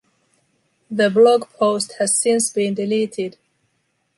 The blog post has since been deleted.